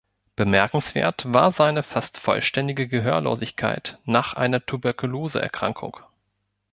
Bemerkenswert war seine fast vollständige Gehörlosigkeit nach einer Tuberkuloseerkrankung.